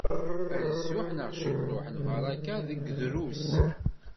Azuḥ neɣ ciṭuḥ, lbaraka deg drus.